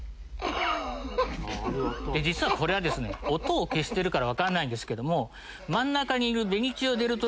実はこれは音を消してるから分かんないんですけども真ん中にいる。